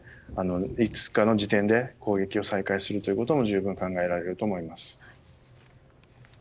いくつかの時点で攻撃を再開することも十分考えられると思います。